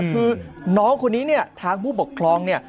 คือน้องคนนี้เนี่ยทางผู้ปกครองเนี่ย